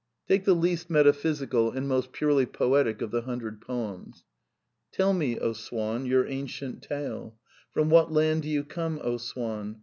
Take the least metaphysical and most purely poetic of the Hundred Poems: xn " Tell me, O Swan, your ancient tale. From what land do you come, O Swan!